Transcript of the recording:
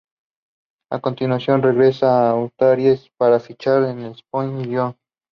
A continuación, regresó a Asturias para fichar por el Sporting de Gijón.